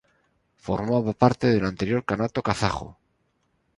Formaba parte del anterior Kanato Kazajo.